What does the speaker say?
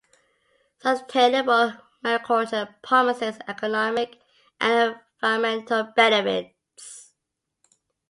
Sustainable mariculture promises economic and environmental benefits.